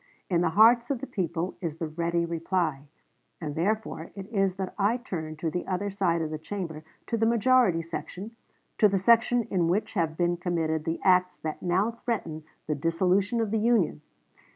In the hearts of the people is the ready reply; and therefore it is that I turn to the other side of the Chamber, to the majority section, to the section in which have been committed the acts that now threaten the dissolution of the Union....